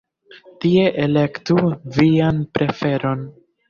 Tie elektu vian preferon.